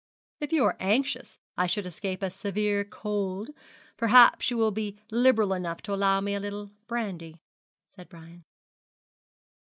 'If you are anxious I should escape a severe cold, perhaps you will be liberal enough to allow me a little brandy,' said Brian.